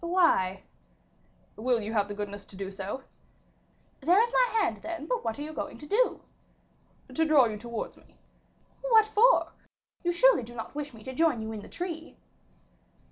"Why?" "Will you have the goodness to do so?" "There is my hand, then; but what are you going to do?" "To draw you towards me." "What for? You surely do not wish me to join you in the tree?"